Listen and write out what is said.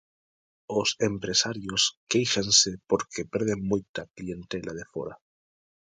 Os empresarios quéixanse porque perden moita clientela de fóra.